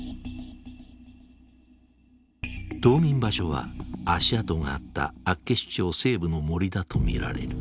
冬眠場所は足跡があった厚岸町西部の森だと見られる。